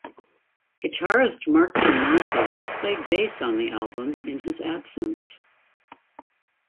Guitarist Mark Tremonti played bass on the album in his absence.